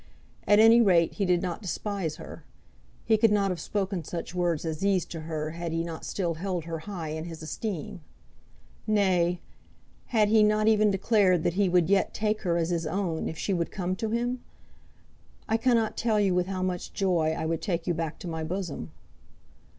At any rate, he did not despise her. He could not have spoken such words as these to her had he not still held her high in his esteem. Nay; had he not even declared that he would yet take her as his own if she would come to him? "I cannot tell you with how much joy I would take you back to my bosom!"